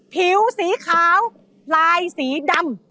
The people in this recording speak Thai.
ผิวสีขาวลายสีดำ